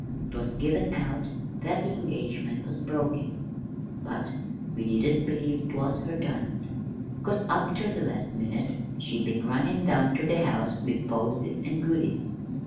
"'Twas given out that the engagement was broken, but we didn't believe 't was her done it, 'cause up ter the last minute she'd been runnin' down ter the house with posies and goodies.